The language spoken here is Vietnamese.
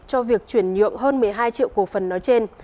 cho việc chuyển nhượng hơn một mươi hai triệu cổ phần nói trên